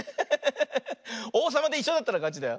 おうさまでいっしょだったらかちだよ。